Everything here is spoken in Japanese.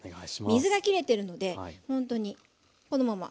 水がきれてるのでほんとにこのまま。